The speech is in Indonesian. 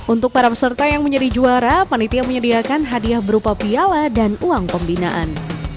untuk para peserta yang menjadi juara panitia menyediakan hadiah berupa piala dan uang pembinaan